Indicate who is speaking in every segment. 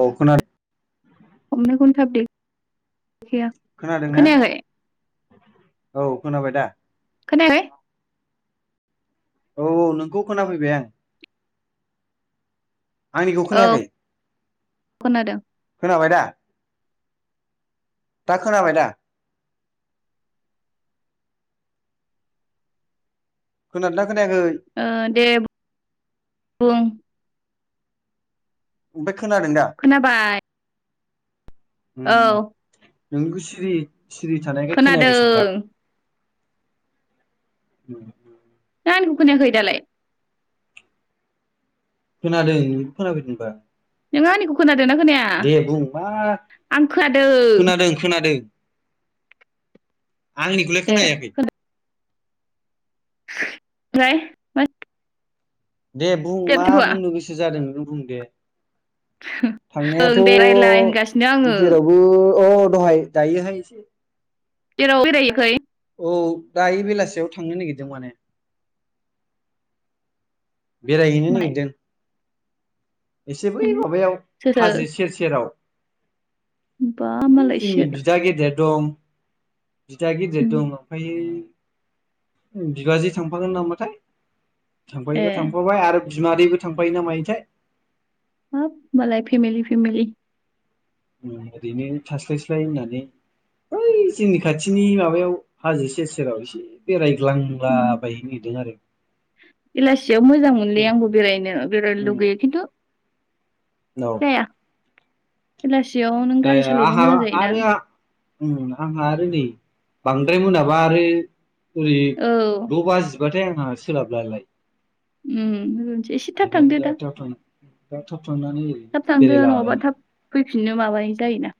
Speaker 1: औ खोनादो
Speaker 2: [unintelligible]
Speaker 1: खोनादों ना
Speaker 2: खोनायाखै
Speaker 1: औ खोनाबाय दा
Speaker 2: खोनायाखै
Speaker 1: औ नोंखौ खोनाफैबाय आं आंनिखौ
Speaker 2: औ
Speaker 1: खोनायाखै
Speaker 2: खोनादों
Speaker 1: खोनाबाय दा दा खोनाबाय दा खोनादो ना
Speaker 2: ओ दे बुं
Speaker 1: ओमफा
Speaker 2: खोनाबाय ।
Speaker 1: नोंखौ सिरि सिरि थानायखाय
Speaker 2: खोनादों
Speaker 1: खोनायाखै सानदां । [inaudible]
Speaker 2: ना आंनिखौ खोनायाखै दालाय?
Speaker 1: खोनादों नोंनिखौ खोनाफैदों ।
Speaker 2: नों आंनिखौ खोनादोंना खोनाया
Speaker 1: मा
Speaker 2: आं खोनादों ।
Speaker 1: खोनादों खोनादों आंनिखौलाय
Speaker 2: ए
Speaker 1: खोनायाखै?
Speaker 2: ओमफ्राय
Speaker 1: दे बुं मा बुंनो गोसो जादों नों बुं दे ।
Speaker 2: ओं दे रायलाय होनगासिनो आङो
Speaker 1: थांनायाथ' जेरावबो अह दहाय दायोहाय
Speaker 2: जेरावबो बेरायहैयाखै?
Speaker 1: औ दायो बेलासियाव थांनो नागिरदों माने बेरायहैनो
Speaker 2: माहाय
Speaker 1: नागिरदों । एसे बै
Speaker 2: आयौ
Speaker 1: माबायाव
Speaker 2: सोर सोर
Speaker 1: हाजो सेर सेराव ।
Speaker 2: बा
Speaker 1: जोंनि
Speaker 2: मालायसो
Speaker 1: बिदा गेदेर दं । बिदा गिदिर
Speaker 2: उम
Speaker 1: दं ओमफ्राययो । बिबाजै थांफागोन नामाथाय
Speaker 2: ए
Speaker 1: थांफायोबा थांफाबाय आरो बिमादैबो थांफायो ना मायोथाय?
Speaker 2: हाब मालाय फेमेलि फेमेलि
Speaker 1: ओरैनो थास्लायस्लाय होननानै ओइ जोंनि खाथिनि माबायाव हाजो सेर सेराव एसे
Speaker 2: उम
Speaker 1: बेरायग्लांलाबायनो नागिरदों आरो ।
Speaker 2: बेलासियाव मोजां मोनलै आंबो बेरायनो बेरायनो लुगैयो खिन्थु
Speaker 1: औ
Speaker 2: बेलासि
Speaker 1: जाया आहा आरो आंहा नै बांद्राय मोनाबा आरो ओरै
Speaker 2: औ
Speaker 1: द' बाजिबाथाय आहा सोलाबलालाय ।
Speaker 2: ओम होननोसै एसे थाब थांदो दा ।
Speaker 1: दाथ'
Speaker 2: थाब थांदो नङाबा थाब फैफिनो माबायो । जायोना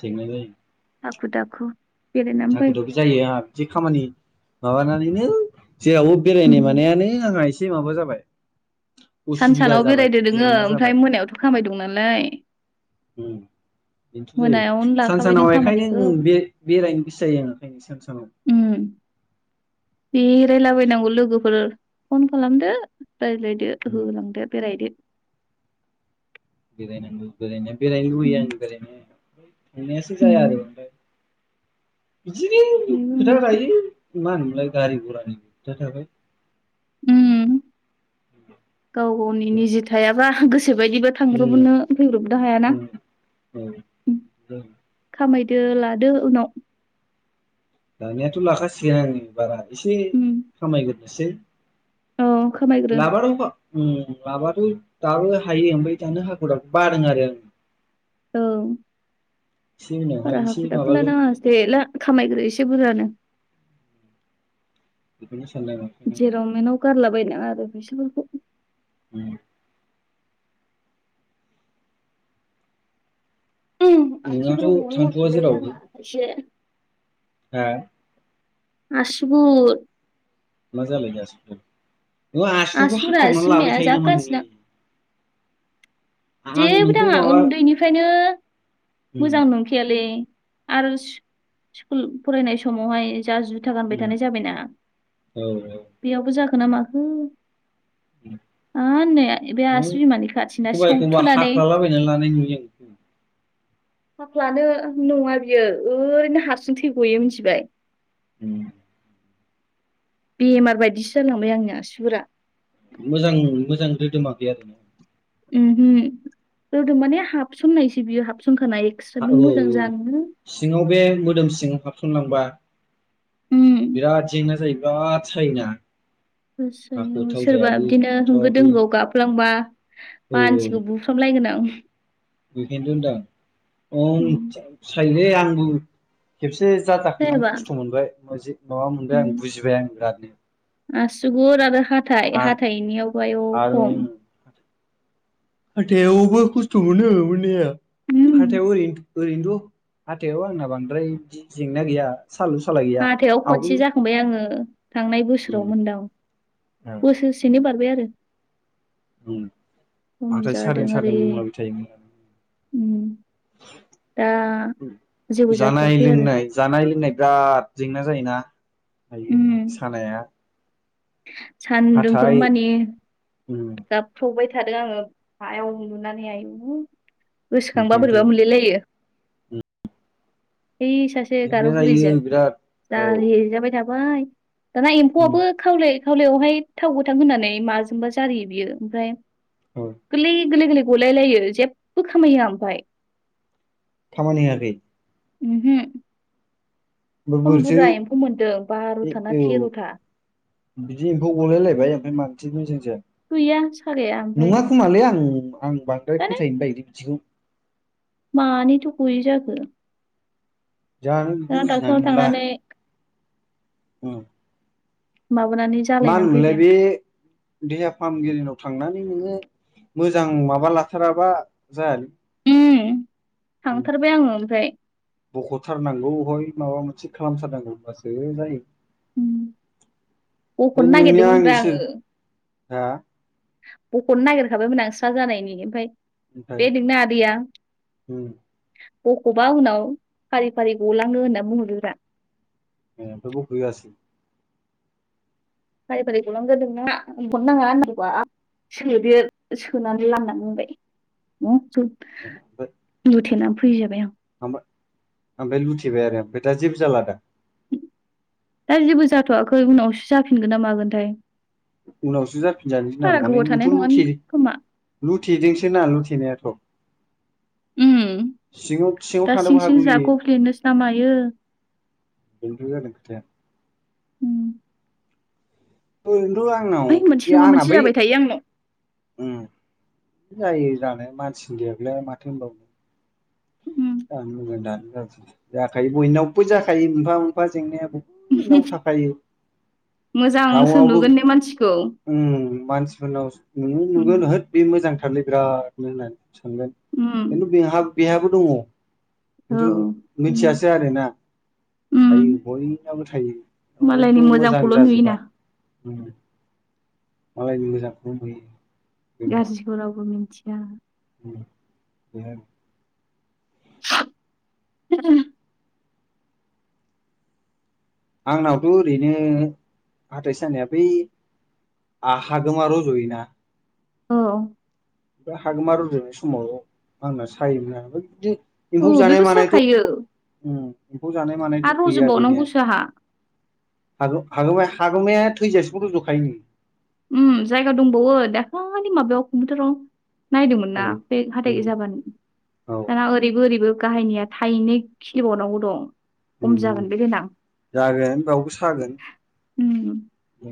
Speaker 1: खेंनाय
Speaker 2: हाखु दाखु बेरायनानै फै
Speaker 1: हाखु दाखु जायो ना बिदि खामानि माबानानैनो जेरावबो
Speaker 2: उम
Speaker 1: बेरायनाय मानायानो आंहा एसे माबा जाबाय ।
Speaker 2: सान सानाव बेरायदो दोङो ओमफ्राय
Speaker 1: जाबाय
Speaker 2: मोनायावथ' खामानि दं नालाय ।
Speaker 1: बेनोथ' जाहैबाय सान
Speaker 2: लाखाबाय नों
Speaker 1: सानाव
Speaker 2: खामानिखौ
Speaker 1: बेखायनो बे बेरायनो जायो आङो एखायनो सान सानाव
Speaker 2: उम बेरायलाबायनांगौ लोगोफोर फन खालामदो रायज्लायदो
Speaker 1: उम
Speaker 2: होलांदो बेरायदो ।
Speaker 1: बेरायनांगौ बेरायनाया बेरायनो
Speaker 2: उम
Speaker 1: लुगैयो आं । [unintelligible] थांनायासो
Speaker 2: उम
Speaker 1: जाया आरो आमफाय बिदिनो
Speaker 2: बेबो
Speaker 1: खोथा
Speaker 2: मोनसे
Speaker 1: लायो मा होनोमोनलाय गारि घरानिबो खोथा थाबाय ।
Speaker 2: ओम गाव गावनि निजे थायाबा गोसो गोसो बायदिबो
Speaker 1: उम
Speaker 2: थांब्रबनो फैब्रबनो हायाना
Speaker 1: उम औ
Speaker 2: खामा दो लादो उनाव
Speaker 1: लानायाथ' लाखाासिगोन आङो बारा एसे
Speaker 2: उम
Speaker 1: खामायगोरनोसै
Speaker 2: औ
Speaker 1: ।
Speaker 2: खामायग्रो
Speaker 1: [unintelligible] दाबो हायो ओमफ्राय दानो हाखु दाखु बादों आरो आं ।
Speaker 2: औ
Speaker 1: उनावहाय
Speaker 2: बारा
Speaker 1: एसे
Speaker 2: हाखु दाखु
Speaker 1: माबाग्रोनानै
Speaker 2: लानाङा खामायग्रो एसे बुरजानो
Speaker 1: बेखौनो सानदों ओंखायनो
Speaker 2: जेराव मेराव गारला बायनाङा आरो [unintelligible]
Speaker 1: उम
Speaker 2: ओम
Speaker 1: नोंनाथ'
Speaker 2: आसुगुरा
Speaker 1: थांथ'वा
Speaker 2: [unintelligible]
Speaker 1: हो
Speaker 2: आसुगुर
Speaker 1: मा जालायखो आसुगुरालाय आसुगुरखौ
Speaker 2: आसुगुरा
Speaker 1: हाख्लाबनानै लाबाय
Speaker 2: सिमाया
Speaker 1: थायो
Speaker 2: जा
Speaker 1: नामा
Speaker 2: गाज्रिना
Speaker 1: नोंलाय आं
Speaker 2: जेबो
Speaker 1: नोंखौ
Speaker 2: दाङा
Speaker 1: माबा
Speaker 2: ओन्दैनिफ्रायनो
Speaker 1: उम
Speaker 2: मोजां नंखायालै आरो स्कुल फरायनाय समावहाय जा जुथा गानबाय
Speaker 1: उम
Speaker 2: थानाय जाबायना
Speaker 1: औ औ
Speaker 2: बेयावबो जाखो ना माखो [unintelligible] नै बे आसि बिमानि खाथिना सौ
Speaker 1: बा हाख्लाबायनानै लानाय नुयो आं [unintelligible]
Speaker 2: हाख्लानो नङा बियो ओरैनो हारसिं थै ग'यो मिथिबाय
Speaker 1: [unintelligible]
Speaker 2: बेमार बायदिसो जालांबाय आंनि आसिगुरा
Speaker 1: मोजां मोजां रोदोमाखै आरो ना
Speaker 2: [unintelligible] रोदोम माने हाबसननायसो बियो हाबसन
Speaker 1: औ औ सिङाव बे मोदोम सिं हाबसनलांबा
Speaker 2: उम
Speaker 1: बिराद जेंना जायो बिराद सायोना हाखु
Speaker 2: सोरबा
Speaker 1: थावजायाबो
Speaker 2: बिदिनो होंगो
Speaker 1: माथावाबो
Speaker 2: दोंगोआव गाबफ्लांबा
Speaker 1: औ औ
Speaker 2: मानसिखौ बुफ्रामलायगोन आं [unintelligible]
Speaker 1: बेखायनोथ' होनदां
Speaker 2: उम
Speaker 1: खम सायोलै आंबो खेबसे जाजाखांनानै
Speaker 2: जायाबा
Speaker 1: खस्थ' मोनबाय [unintelligible] माबा मोनबाय
Speaker 2: उम
Speaker 1: आं बुजिबाय आं बिरादनो
Speaker 2: आसुगुर आरो हाथाइ हाथाइनियावबो आयौ
Speaker 1: आरो
Speaker 2: खम
Speaker 1: हाथायावबो खस्थ' मोनो मोननाया
Speaker 2: उम
Speaker 1: हाथायाव ओरैनो ओरैनोथ' हाथायाव आंना बांद्राय जेंना गैया सालु सालााय गैया
Speaker 2: हाथायाव
Speaker 1: आवगोल
Speaker 2: खनसे जाखांबाय आङो थांनाय बोसोराव मोनदां
Speaker 1: उम
Speaker 2: बोसोरसेनि बारबाय आरो खम
Speaker 1: हाथाय सादों
Speaker 2: जादों
Speaker 1: सादों
Speaker 2: ओरै
Speaker 1: होलाबाय
Speaker 2: उम दा
Speaker 1: थायोमोन
Speaker 2: जेबो
Speaker 1: जानाय
Speaker 2: जाथ'वाखै आरो
Speaker 1: लोंनाय जानाय लोंनाय बिराद जेंना जायोना दायो सानाया
Speaker 2: सान्दुंफोर
Speaker 1: हाथाय
Speaker 2: माने
Speaker 1: उम
Speaker 2: गाबख्रावबाय थायो थादों आङो हायाव उन्दुनानै आयु गोसोखांबा बोरैबा
Speaker 1: बेखायनोथ'
Speaker 2: मोनलायलायो बै सासे गार'
Speaker 1: बिदिनो जायो
Speaker 2: बुरिजों
Speaker 1: बिराद औ
Speaker 2: जारि हैजाबाय थाबाय दाना
Speaker 1: उम
Speaker 2: एम्फौआबो खावलाय खावलायावहाय थाव गोथां होननानै माजोंबा जारियो बियो ओमफ्राय
Speaker 1: औ
Speaker 2: गोरलै गोरलै गोरलै गलायलायो जेबो खामाय होआ ओमफाय
Speaker 1: खामानि होआखै
Speaker 2: उमहो
Speaker 1: ओमफ्राय
Speaker 2: खम
Speaker 1: बोरैथो
Speaker 2: बुरजा एम्फौ मोन्दों बार'था ना
Speaker 1: औ
Speaker 2: थेर'था
Speaker 1: बिदि एम्फौ गलायलायबाय ओमफ्राय मा नथो मोजां
Speaker 2: गैया सागाया
Speaker 1: जायाखै
Speaker 2: ओमफ्राय
Speaker 1: नङा खोमालै आं आं बांद्राय
Speaker 2: जानो
Speaker 1: फोथायनो बायोलै बिदिखौ
Speaker 2: मानिथो गयो जाखो
Speaker 1: जानो बेखौ
Speaker 2: ना
Speaker 1: बुजिनानै
Speaker 2: डक्टराव थांनानै
Speaker 1: औ
Speaker 2: माबानानै
Speaker 1: मा
Speaker 2: जालायनानै
Speaker 1: होनोमोनलाय
Speaker 2: फैबाय आं
Speaker 1: बे देहा फाहामगिरिनाव थांनानै नोङो मोजां माबा लाथाराबा जायालै
Speaker 2: उम थांथारबाय आङो ओमफ्राय
Speaker 1: बख'थारनांगौ हय माबा मोनसे खालामथारनांगौ होमबासो जायो बे
Speaker 2: बख'नो
Speaker 1: नोंनिया
Speaker 2: नागिरदोंमोनब्रा
Speaker 1: आंनिसो
Speaker 2: आङो
Speaker 1: हा
Speaker 2: बख'नो नागिरखाबायमोन आं स्रा जानायनि ओमफाय
Speaker 1: ओमफ्राय
Speaker 2: बे नोंनाआदैया
Speaker 1: उम
Speaker 2: बखौ'बा उनाव फारि फारि गलाङो होनना बुंहरोब्रा
Speaker 1: ए ओमफ्राय बख' होआसै
Speaker 2: फारि फारि गलांगोन नोंना बख'नो नाङा [unintelligible] सोदेर सोनानै लानां बाय बु बुथेनानै फैजाबाय आं
Speaker 1: [unintelligible] ओमफाय लुथिबाय आरो ओमफाय दा जेबो जाला दा
Speaker 2: दा जेबो जाथ'वाखै उनावसो जाफिनगोन ना मागोनथाय
Speaker 1: उनावसो जाफिनजानो गिनांगौ
Speaker 2: बारा
Speaker 1: माने
Speaker 2: गोबाव थानाय
Speaker 1: नोंथ'
Speaker 2: नङानो
Speaker 1: लुथि
Speaker 2: खोमा
Speaker 1: लुथिदोंसोना लुथेनायाथ'
Speaker 2: ओम
Speaker 1: सिङाव सिङाव
Speaker 2: दा
Speaker 1: थानोबो
Speaker 2: सिं सिं
Speaker 1: हागौ बेयो
Speaker 2: जाख'फ्लेनोसोना मायो
Speaker 1: बेनोथ' जादों खोथाया
Speaker 2: उम
Speaker 1: ओरैनोथ' आंनाव
Speaker 2: ओइ मोनसे नङा
Speaker 1: गियाना
Speaker 2: मोनसे
Speaker 1: बै
Speaker 2: जाबाय थायो आंनाव
Speaker 1: ओम जायो जानाया मानसिनि देहाखौलाय आरो माथो होनबावनो
Speaker 2: उम।
Speaker 1: दानो मोजां दानो गाज्रि जाखायो बयनावबो जाखायो मोनफा मोनफा जेंनायाबो बयनावबो थाखायो
Speaker 2: मोजांसो नुगोन ने मानसिखौ
Speaker 1: ओम मानसिफोरनाव नुनायाव
Speaker 2: उम
Speaker 1: नुगोन होद बे मोजां थारै बिरादनो होननानै सानगोन
Speaker 2: उम
Speaker 1: खिनथु बेहा बेहाबो दङ'
Speaker 2: औ
Speaker 1: खिन्थु
Speaker 2: बिदिनो
Speaker 1: मिथियासै आरोना थायो
Speaker 2: उम
Speaker 1: बयनाबो थायो रावबो
Speaker 2: मालायनि
Speaker 1: मोजां
Speaker 2: मोजांखौल'
Speaker 1: जाजोबा
Speaker 2: नुयोना
Speaker 1: मालायनि मोजांखौल' नुयो बे नङा
Speaker 2: गारजिखौ रावबो मिनथिया
Speaker 1: बे
Speaker 2: [unintelligible]
Speaker 1: आंनावथ' ओरैनो हाथाइ सानाया बै आ हागोमा रज'योना
Speaker 2: औ
Speaker 1: बे हागोमा रज'नाय समाव आंना सायोमोन आरो [unintelligible] एमफौ
Speaker 2: औ
Speaker 1: जानाय
Speaker 2: बेथ'
Speaker 1: मानायथ'
Speaker 2: जाखायो
Speaker 1: [unintelligible] ओम एमफौ जानाय मानायथ'
Speaker 2: आरो
Speaker 1: गैया गैनाया
Speaker 2: रज'बावनांगौसो आहा
Speaker 1: हगो हागोमा हागोमाया थैजासिम रज'खायो
Speaker 2: ओम जायगा दंबावो दाखालि माबायाव [unintelligible] नायदोंमोन
Speaker 1: औ
Speaker 2: ना बे हाथाय
Speaker 1: उम
Speaker 2: जाबानो
Speaker 1: औ
Speaker 2: दाना ओरैबो ओरैबो गाहायनिया थाइनै खिलिबावनांगौ दं
Speaker 1: उम
Speaker 2: खम
Speaker 1: उम
Speaker 2: जागोन बे देनां
Speaker 1: जागोन बेयावबो
Speaker 2: ओम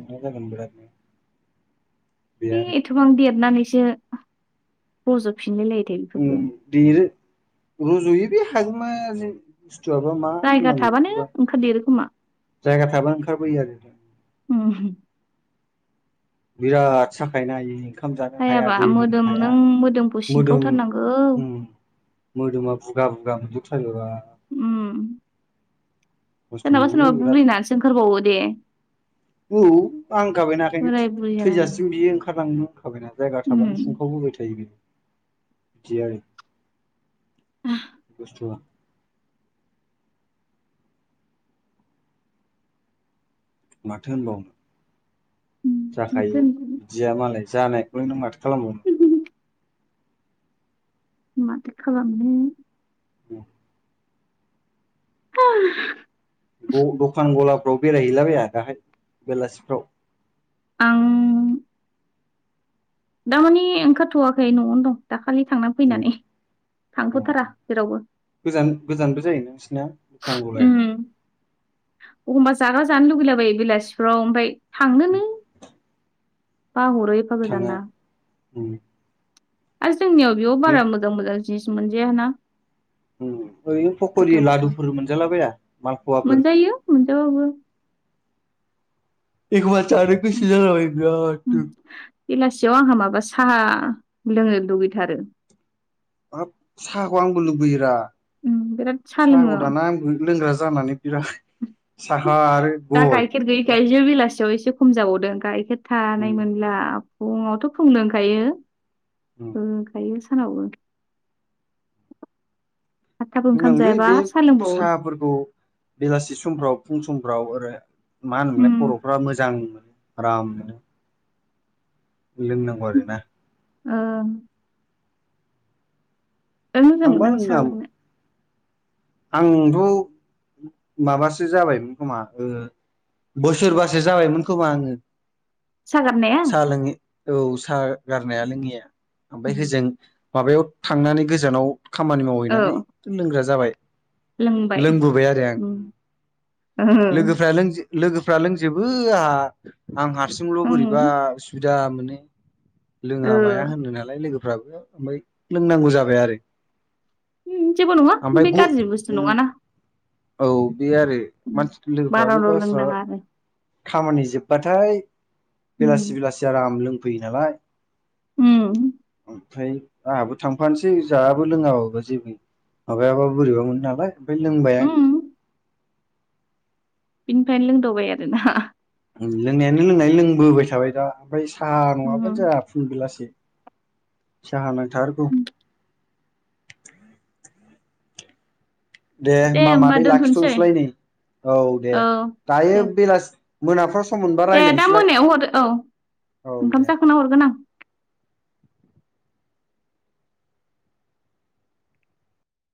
Speaker 1: मा जागोन बिराद
Speaker 2: है एथबां देरनानैसो रज'फिनलाय लायो
Speaker 1: देरो रुज'यो बे हागोमा ज बसथुआबा मा
Speaker 2: जायगा
Speaker 1: होननांगौ
Speaker 2: थाबानो
Speaker 1: बिखौबा
Speaker 2: ओंखारदेरो खोमा
Speaker 1: जायगा थाबा ओंखारबोयो आरो
Speaker 2: ओम
Speaker 1: बिराद साखायोना आयै ओंखाम जानो हाया
Speaker 2: जायाबा
Speaker 1: दै लोंनो
Speaker 2: मोदोम
Speaker 1: हाया
Speaker 2: नों मोदोमखौ
Speaker 1: मोदोम
Speaker 2: सिनखावथारनांगौ
Speaker 1: ओम मोदोमा बुगा बुगा मोनजोबथारोबा
Speaker 2: ओम
Speaker 1: खस्थ'
Speaker 2: सोरनाबा
Speaker 1: मोनोलै
Speaker 2: सोरनाबा
Speaker 1: बिरादनो
Speaker 2: बुरैनानैसो ओंखारबावो दे
Speaker 1: औ आं
Speaker 2: बोराय
Speaker 1: [unintelligible]
Speaker 2: बुरि जानानै
Speaker 1: थैजासिम बियो ओंखारलांनो खाबायना जायगा थाबानो
Speaker 2: उम
Speaker 1: सुंखावबोबाय थायो बि बिदि आरो बसथुआ माथो होनबावनो जाखायो
Speaker 2: माथो
Speaker 1: बिदिया मालाय जानायखौलाय नों माथो खालामबावनो।
Speaker 2: माथो खालामनो।
Speaker 1: ओम
Speaker 2: [unintelligible]
Speaker 1: द द'खान गलाफ्राव बेरायहैलाबाया दाहाय बेलासिफ्राव
Speaker 2: आं दामाने ओंखारथ'याखै न'आवनो दं दाखालि थांनानै फैनानै। थांथ'थारा जेरावबो।
Speaker 1: गोजान गोजानबो जायो नोंसिना दखान गलाया
Speaker 2: एखमबा जाग्रा जानो लुगैलाबायो बेलासिफ्राव ओमफ्राय थांनोनो बाह'रो एफा
Speaker 1: थाङा
Speaker 2: गोजाना आरो जोंनियाव बेयाव बारा मोजां मोजां। जस [unintelligible] मोनजायाना
Speaker 1: ओरैनो फक'रि
Speaker 2: गोथाव गोथाव
Speaker 1: लादुफोर मोनजालाबाया मालफवाफोर
Speaker 2: औ।
Speaker 1: एखनबा जानो गोसो जालाबायो
Speaker 2: उम
Speaker 1: बिरादनो
Speaker 2: बेलासियाव आंहा माबा साहा लोंनो दुगैथारो।
Speaker 1: हाब साहाखौ आंबो लुबैयोरा
Speaker 2: उम बिराद साहा लोङो
Speaker 1: साहाखौ
Speaker 2: आं
Speaker 1: दाना आंबो लोंग्रा जानानै बिराद साहा आरो
Speaker 2: दा
Speaker 1: गय
Speaker 2: गाइखेर गैयैखायसो बिलासियाव एसे एसे खम जाबावदों गाइखेर थानाय
Speaker 1: बिराद
Speaker 2: मोनला फुङावथ' फुं लोंखायो ओम थायो सानावबो आदथाबो ओंखाम
Speaker 1: बुंनांलै [unintelligible]
Speaker 2: जायाबा
Speaker 1: बे
Speaker 2: आरो साहा लोंबावो
Speaker 1: साहाफोरखौ बेलासि समफ्राव फुं समफ्राव आरो मा होनोमोनलाय
Speaker 2: उम
Speaker 1: गथ'फोरा मोजां आराम लोंनांगौ आरोना
Speaker 2: औ। बिराद मोजां
Speaker 1: आंबा
Speaker 2: मोनो आं
Speaker 1: लोंना
Speaker 2: सा लोंनो
Speaker 1: आंथ' माबासो जाबाय खोमा ओ। बोसोरबासो जाबायमोन खोमा आङो
Speaker 2: साहा गारनाया
Speaker 1: साहा लोङैया औ साहा गारनाया लोङैया ओमफ्राय
Speaker 2: उम
Speaker 1: होजों माबायाव थांनानै गोजानाव खामानि मावहैनानै
Speaker 2: औ
Speaker 1: लोंग्रा जाबाय।
Speaker 2: लोंबाय
Speaker 1: लोंबोबाय आरो आं
Speaker 2: उम ओहो
Speaker 1: लोगोफ्रा लोंजो लोगोफ्रा लोंजोबो आंहा आं हारसिंल'
Speaker 2: उम
Speaker 1: बोरैबा उसुबिदा मोनो। लोङा
Speaker 2: ओ
Speaker 1: माया होनो नालाय लोगोफ्राबो ओमफ्राय लोंनांगौ जाबाय आरो।
Speaker 2: ओम जेबो नङा
Speaker 1: ओमफ्राय
Speaker 2: बे
Speaker 1: ग
Speaker 2: गाज्रि बुसथु
Speaker 1: उम
Speaker 2: नङाना।
Speaker 1: औ बे आरो मानसि लोगोफ्राबो
Speaker 2: बाराल'
Speaker 1: गावस्रा
Speaker 2: लोंनाङा आरो
Speaker 1: खामानि जोबबाथाय
Speaker 2: उम
Speaker 1: बेलासि बेलासि आराम लोंफैयो नालाय।
Speaker 2: ओम
Speaker 1: ओमफ्राय आंहाबो थांफानोसै जायाबो लोङाबाबो जेबो माबायाबा बोरैबा मोनो नालाय ओमफ्राय लोंबाय आं
Speaker 2: उम बिनिफ्रायनो लोंदावबाय आरोना
Speaker 1: ओम लोंनायानो लोंनाय लोंबोबाय थाबाय दा ओमफ्राय सा नङाबानो
Speaker 2: उम
Speaker 1: जाया फुं बेलासे साहा नांथारगौ दे होमबा मादै लाखिथ'नोसैलाय नै औ दे दायो
Speaker 2: दे
Speaker 1: बेलासि मोनाफ्राव सम मोनबा
Speaker 2: दे दा
Speaker 1: रायलायनोसैलाय
Speaker 2: मोनायाव हरो औ
Speaker 1: औ
Speaker 2: ओंखाम
Speaker 1: दे।
Speaker 2: जाखांना हरगोन आं